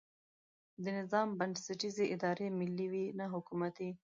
د نظام بنسټیزې ادارې ملي وي نه حکومتي.